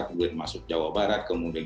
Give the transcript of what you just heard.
duit masuk jawa barat kemudian